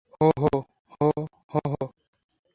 হো-হো, হো, হো-হো!